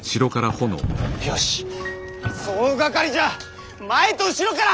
よし総がかりじゃ前と後ろから挟め！